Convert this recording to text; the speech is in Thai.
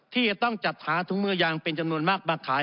ที่จะต้องจัดหาถุงมือยางเป็นจำนวนมากมาขาย